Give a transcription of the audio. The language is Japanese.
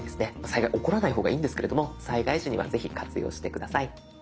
災害は起こらない方がいいんですけれども災害時にはぜひ活用して下さい。